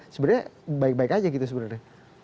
sebenarnya baik baik aja gitu sebenarnya